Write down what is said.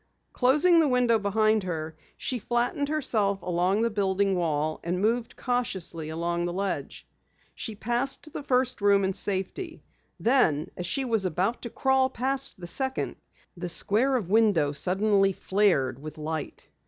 Closing the window behind her, she flattened herself along the building wall, and moved cautiously along the ledge. She passed the first room in safety. Then, as she was about to crawl past the second, the square of window suddenly flared with light.